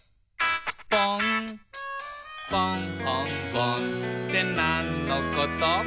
「ぽんほんぼんってなんのこと？」